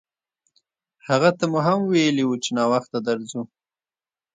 هغه ته مو هم ویلي وو چې ناوخته درځو.